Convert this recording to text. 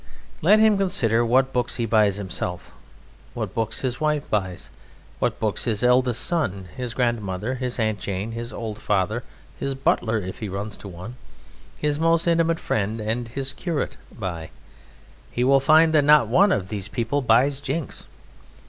Let him consider what books he buys himself, what books his wife buys; what books his eldest son, his grandmother, his Aunt Jane, his old father, his butler (if he runs to one), his most intimate friend, and his curate buy. He will find that not one of these people buys Jinks.